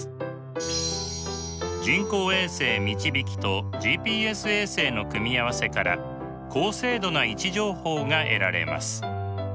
人工衛星みちびきとＧＰＳ衛星の組み合わせから高精度な位置情報が得られます。